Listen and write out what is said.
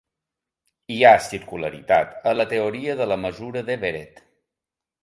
Hi ha circularitat en la teoria de la mesura d'Everett.